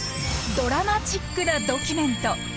ドラマチックなドキュメント！